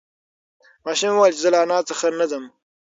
ماشوم وویل چې زه له انا څخه نه ځم.